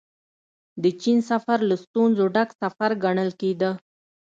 د چين سفر له ستونزو ډک سفر ګڼل کېده.